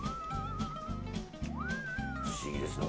不思議ですね！